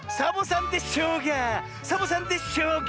サボさんで「しょうが」！